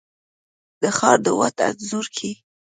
د ښار د واټ انځور کي،